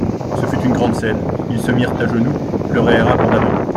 Ce fut une grande scène, ils se mirent à genoux, pleurèrent abondamment.